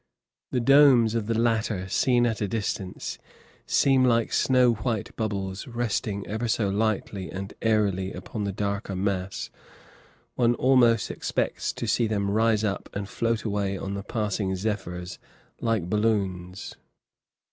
The domes of the latter, seen at a distance, seem like snow white bubbles resting ever so lightly and airily upon the darker mass; one almost expects to see them rise up and float away on the passing zephyrs like balloons.